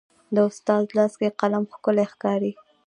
د استاد لاس کې قلم ښکلی ښکاري.